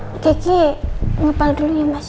kiki ngepal dulu ya mas ya